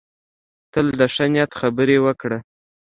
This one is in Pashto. تل د ښه نیت خبرې وکړه.